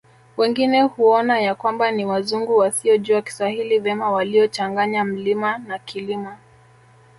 Wengine huona ya kwamba ni Wazungu wasiojua Kiswahili vema waliochanganya mlima na Kilima